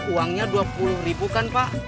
uangnya dua puluh ribu kan pak